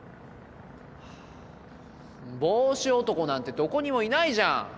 帽子男なんてどこにもいないじゃん。